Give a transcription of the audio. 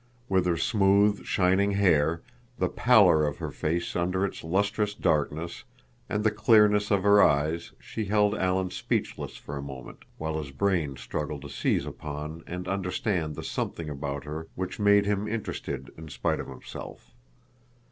With her smooth, shining hair, the pallor of her face under its lustrous darkness, and the clearness of her eyes she held Alan speechless for a moment, while his brain struggled to seize upon and understand the something about her which made him interested in spite of himself.